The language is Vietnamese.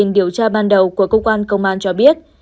điều tra ban đầu của cơ quan công an cho biết